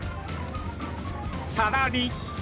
さらに。